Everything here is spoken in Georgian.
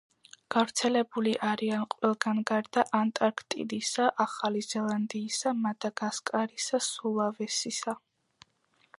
გავრცელებული არიან ყველგან გარდა ანტარქტიდისა, ახალი ზელანდიისა, მადაგასკარისა, სულავესისა